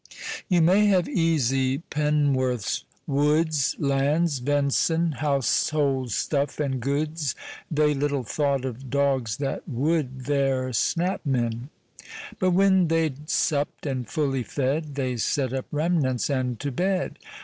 You may have easy pen'worths, woods, Lands, ven'son, householdstuf, and goods, They little thought of dogs that wou'd There snap men. But when they'd sup'd, and fully fed, They set up remnants and to bed.